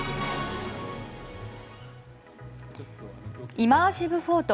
イマーシブ・フォート